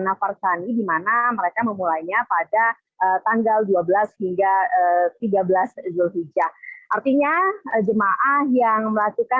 nafar sani dimana mereka memulainya pada tanggal dua belas hingga tiga belas zulhijjah artinya jemaah yang melakukan